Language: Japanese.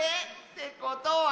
てことは。